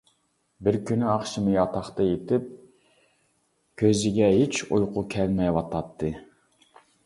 بىر كۈنى ئاخشىمى ياتاقتا يېتىپ كۈزىگە ھېچ ئۇيقۇ كەلمەيۋاتاتتى.